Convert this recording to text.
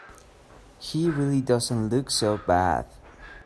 He really doesn't look so bad.